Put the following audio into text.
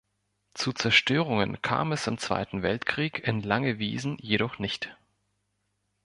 Zu Zerstörungen kam es im Zweiten Weltkrieg in Langewiesen jedoch nicht.